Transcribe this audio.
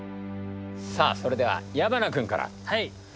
さあそれでは矢花君から。